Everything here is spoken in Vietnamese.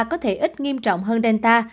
có thể ít nghiêm trọng hơn delta